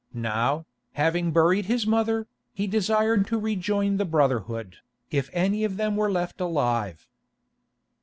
Now, having buried his mother, he desired to rejoin the brotherhood, if any of them were left alive.